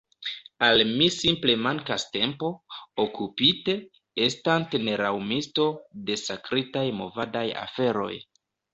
Al mi simple mankas tempo, okupite, estante neraŭmisto, de sakritaj movadaj aferoj.